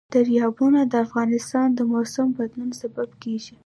دریابونه د افغانستان د موسم د بدلون سبب کېږي.